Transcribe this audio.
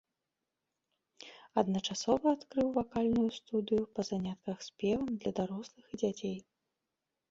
Адначасова адкрыў вакальную студыю па занятках спевам для дарослых і дзяцей.